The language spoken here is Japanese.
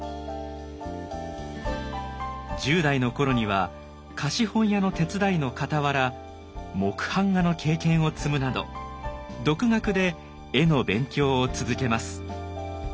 １０代の頃には貸本屋の手伝いのかたわら木版画の経験を積むなど独学で絵の勉強を続けます。